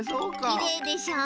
きれいでしょ？